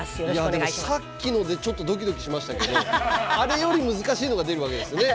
いやでもさっきのでちょっとドキドキしましたけどあれより難しいのが出るわけですよね。